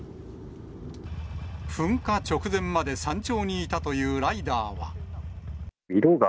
噴火直前まで山頂にいたというライダーは。